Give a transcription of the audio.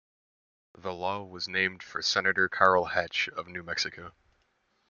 The law was named for Senator Carl Hatch of New Mexico.